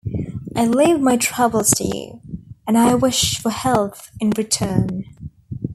I leave my troubles to you, and I wish for health in return.